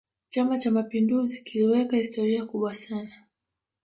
chama cha mapinduzi kiliweka historia kubwa sana